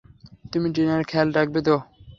তুমি টিনার খেয়াল রাখবে তো?